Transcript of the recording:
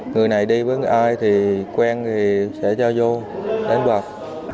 người này đi với ai thì quen thì sẽ cho vô đánh bạc